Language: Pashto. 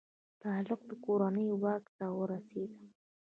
تغلق کورنۍ واک ته ورسیده.